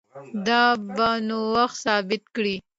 دا به نو وخت ثابته کړي